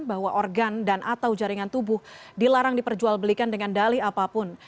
bahwa organ dan atau jaringan tubuh dilarang diperjualbelikan dengan dali apapun